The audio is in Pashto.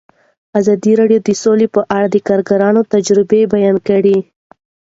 ازادي راډیو د سوله په اړه د کارګرانو تجربې بیان کړي.